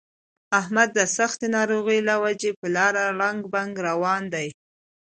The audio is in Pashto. احمد د سختې ناروغۍ له وجې په لاره ړنګ بنګ روان دی.